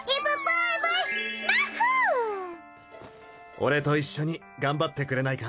俺と一緒に頑張ってくれないか？